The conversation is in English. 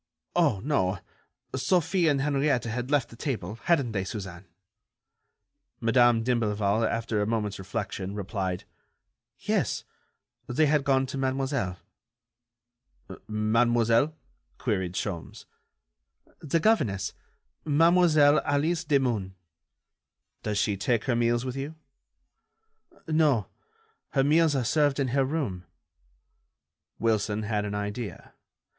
Oh, no ... Sophie and Henriette had left the table, hadn't they, Suzanne?" Madame d'Imblevalle, after a moment's reflection, replied: "Yes, they had gone to Mademoiselle." "Mademoiselle?" queried Sholmes. "The governess, Mademoiselle Alice Demun." "Does she take her meals with you?" "No. Her meals are served in her room." Wilson had an idea.